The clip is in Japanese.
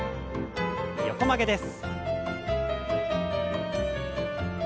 横曲げです。